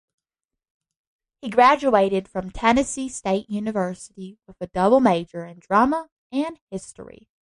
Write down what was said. He graduated from Tennessee State University with a double major in drama and history.